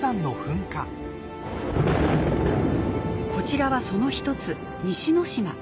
こちらはその一つ西之島。